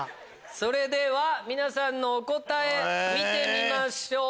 それでは皆さんのお答え見てみましょう。